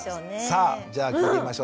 さあじゃあ聞いてみましょう。